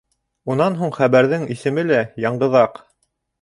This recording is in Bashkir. Унан һуң хәбәрҙең исеме лә «Яңғыҙаҡ».